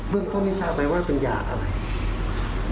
เรื่องต้นนี่ทราบไหมว่าเป็นยาอะไร